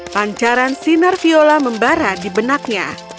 pancaran sinar viola membara di benaknya